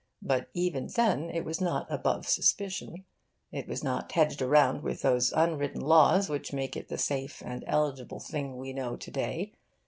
But even then it was not above suspicion. It was not hedged around with those unwritten laws which make it the safe and eligible thing we know to day.